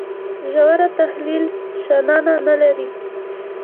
ژور تحلیل شننه نه لري.